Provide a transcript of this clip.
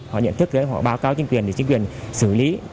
họ nhận thức đấy họ báo cáo chính quyền để chính quyền xử lý